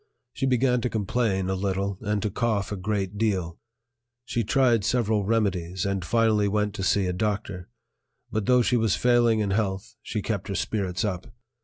She began to complain a little and to cough a great deal; she tried several remedies, and finally went to see a doctor; but though she was failing in health, she kept her spirits up.